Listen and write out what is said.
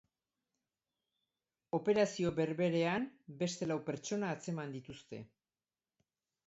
Operazio berberean, beste lau pertsona atzeman dituzte.